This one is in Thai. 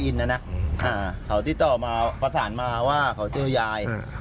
ยายพูดได้เนี่ย